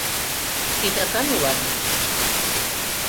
Титакан улам...